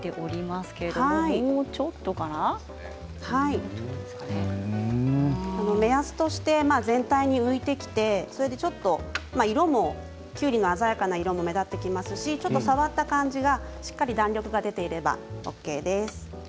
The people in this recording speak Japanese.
こちらゆでておりますけれど目安として全体に浮いてきて色もきゅうりの鮮やかな色が目立ってきますし触った感じがしっかり弾力が出ていればＯＫです。